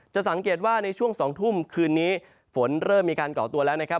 สังเกตว่าในช่วง๒ทุ่มคืนนี้ฝนเริ่มมีการก่อตัวแล้วนะครับ